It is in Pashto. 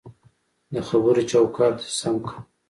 دخبرو چوکاټ دی سم که